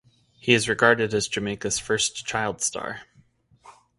He is regarded as Jamaica's first child star.